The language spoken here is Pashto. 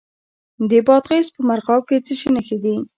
د بادغیس په مرغاب کې د څه شي نښې دي؟